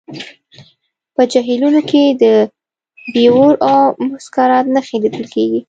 په جهیلونو کې د بیور او مسکرات نښې لیدل کیږي